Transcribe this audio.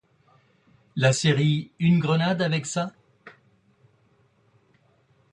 La série Une grenade avec ça?